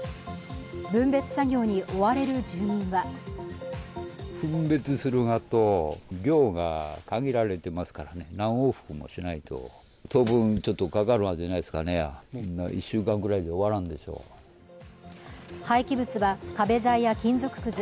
分別作業に追われる住民は廃棄物は壁材や金属くず、